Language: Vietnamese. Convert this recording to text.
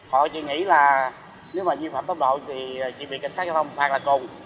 họ chỉ nghĩ là nếu mà vi phạm tốc độ thì chỉ bị cảnh sát giao thông phạt là cùng